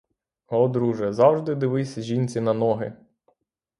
О, друже, — завжди дивись жінці на ноги!